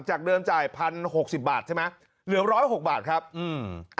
จากเดิมจ่ายพันหกสิบบาทใช่ไหมเหลือร้อยหกบาทครับอืม